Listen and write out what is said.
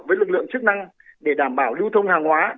với lực lượng chức năng để đảm bảo lưu thông hàng hóa